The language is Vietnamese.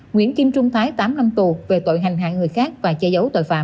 nguyễn kim trung thái tám năm tù về tội hành hạ người khác và che giấu tội phạm